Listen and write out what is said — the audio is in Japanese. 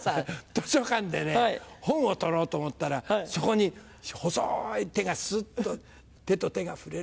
図書館で本を取ろうと思ったらそこに細い手がスッと手と手が触れる。